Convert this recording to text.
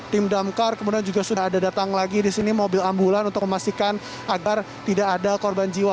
tim damkar kemudian juga sudah ada datang lagi di sini mobil ambulan untuk memastikan agar tidak ada korban jiwa